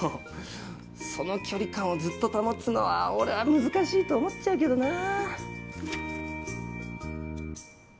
その距離感をずっと保つのは俺は難しいと思っちゃうけどなぁ。